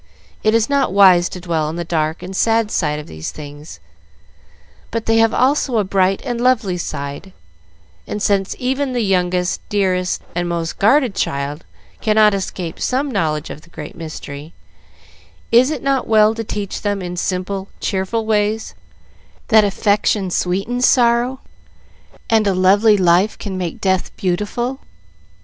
It is not wise to dwell on the dark and sad side of these things; but they have also a bright and lovely side, and since even the youngest, dearest, and most guarded child cannot escape some knowledge of the great mystery, is it not well to teach them in simple, cheerful ways that affection sweetens sorrow, and a lovely life can make death beautiful?